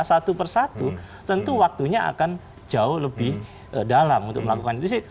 satu persatu tentu waktunya akan jauh lebih dalam untuk melakukan itu